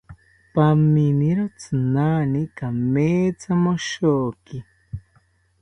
Paminiro tzinani kamethamoshoki